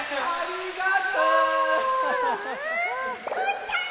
う！うーたん！